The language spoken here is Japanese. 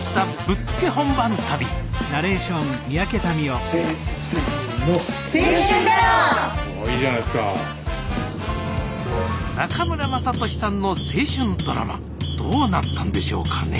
中村雅俊さんの青春ドラマどうなったんでしょうかね？